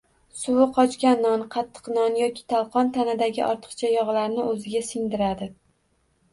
Suvi qochgan non, qattiq non yoki talqon tanadagi ortiqcha yog‘larni o‘ziga singdiradi.